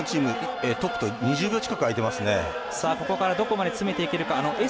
ここからどこまで詰めていけるか。